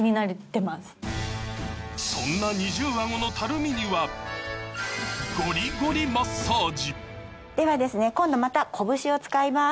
そんな二重アゴのたるみにはゴリゴリマッサージでは今度また拳を使います。